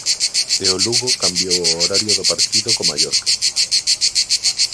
E o Lugo cambiou o horario do partido co Mallorca.